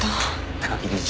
高木理事長？